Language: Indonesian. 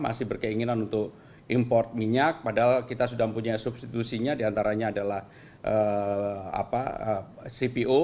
masih berkeinginan untuk import minyak padahal kita sudah punya substitusinya diantaranya adalah cpo